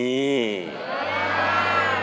เงินล้ำ